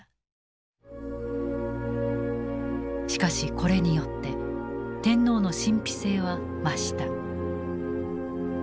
しかしこれによって天皇の神秘性は増した。